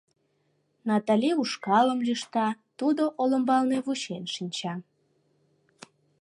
Натали ушкалым лӱшта, тудо олымбалне вучен шинча.